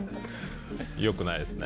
よくないですね。